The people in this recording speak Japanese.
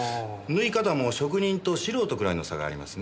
縫い方も職人と素人くらいの差がありますね。